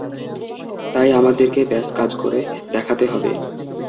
তাই আমাদেরকে ব্যাস কাজ করে দেখাতে হবে।